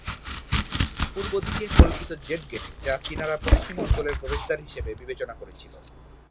পূর্বদিকে কল্পিত Jade Gate যা চীনারা পশ্চিম অঞ্চলের প্রবেশদ্বার হিসাবে বিবেচনা করেছিল।